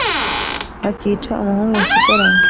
bakica umuhungu nsigaranye.